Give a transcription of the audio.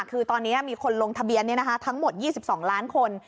คือตอนนี้มีคนลงทะเบียนทั้งหมด๒๒ล้านคน